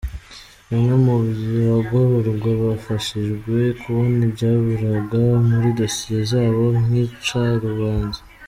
Bamwe mu bagororwa bafashijwe kubona ibyaburaga muri dosiye zabo nk’icarubanza.